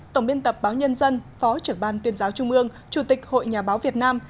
tổng biên tập báo nhân dân phó trưởng ban tuyên giáo trung ương chủ tịch hội nhà báo việt nam